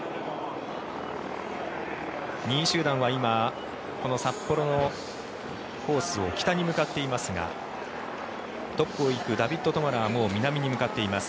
２位集団は今この札幌のコースを北に向かっていますがトップを行くダビッド・トマラはもう南に向かっています。